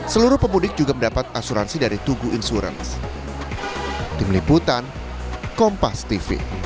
seluruh pemudik juga mendapat asuransi dari tugu insurance